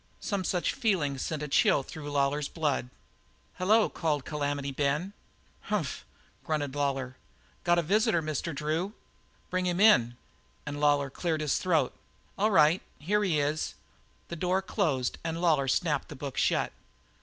Some such feeling sent a chill through Lawlor's blood. "Hello!" called Calamity Ben. "Humph!" grunted Lawlor. "Got a visitor, Mr. Drew." "Bring him in." And Lawlor cleared his throat. "All right, here he is." The door closed, and Lawlor snapped the book shut.